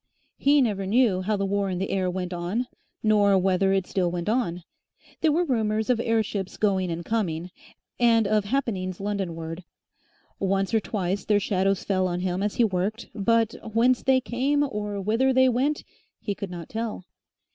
He never knew how the War in the Air went on, nor whether it still went on. There were rumours of airships going and coming, and of happenings Londonward. Once or twice their shadows fell on him as he worked, but whence they came or whither they went he could not tell.